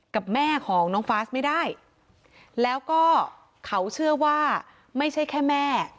กับแม่ของน้องฟาสไม่ได้แล้วก็เขาเชื่อว่าไม่ใช่แค่แม่